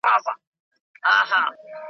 نه د چا غلیم یم نه حسد لرم په زړه کي .